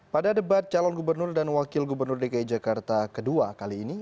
pada debat calon gubernur dan wakil gubernur dki jakarta kedua kali ini